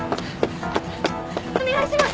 お願いします。